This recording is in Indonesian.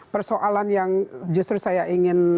persoalan yang justru saya ingin